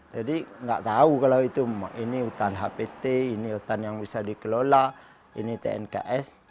jadi nggak tahu kalau itu hutan hpt ini hutan yang bisa dikelola ini tnks